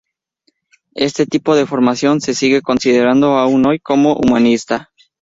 Este tipo de formación se sigue considerando aún hoy como humanista.